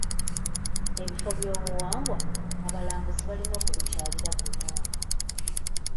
Ebifo by'obuwangwa, abalambuzi balina okubikyalira buli mwaka.